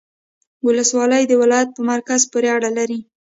ولسوالۍ د ولایت په مرکز پوري اړه لري